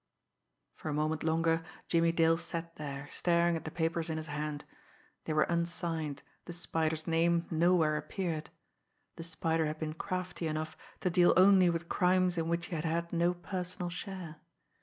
For a moment longer, Jimmie Dale sat there, staring at the papers in his hand. They were unsigned, the Spider's name nowhere appeared the Spider had been crafty enough to deal only with crimes in which he had had no personal share.